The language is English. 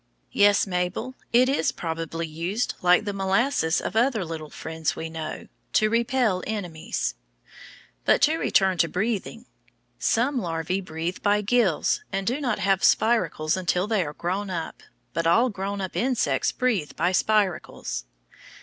Yes, Mabel, it is probably used, like the "molasses" of other little friends we know, to repel enemies. But to return to breathing. Some larvæ breathe by gills, and do not have spiracles until they are grown up, but all grown up insects breathe by spiracles.